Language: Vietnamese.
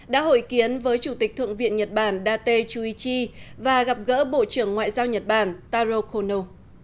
đã hội kiến với chủ tịch thượng viện nhật bản date chuichi và gặp gỡ bộ trưởng ngoại giao nhật bản taro kono